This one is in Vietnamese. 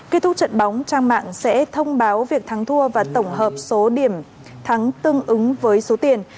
kết thúc trận bóng trang mạng sẽ thông báo việc thắng thua và tổng hợp số điểm thắng tương ứng với số tiền